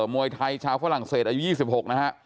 มวยไทยชาวฝรั่งเศสอายุ๒๖นะฮะ